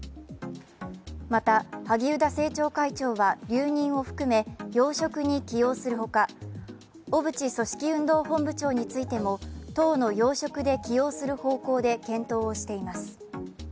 また、萩生田政調会長は留任を含め、要職に起用するほか、小渕組織運動本部長についても党の要職で起用する方向で検討をしています。